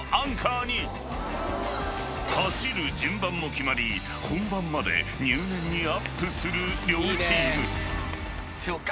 ［走る順番も決まり本番まで入念にアップする両チーム］